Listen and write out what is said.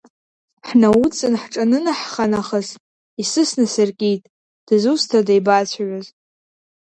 Ҳнаудҵны ҳҿанынаҳха нахыс, исысны сыркит, дызусҭада ибацәажәоз?